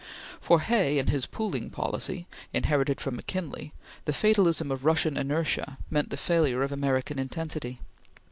For Hay and his pooling policy, inherited from McKinley, the fatalism of Russian inertia meant the failure of American intensity.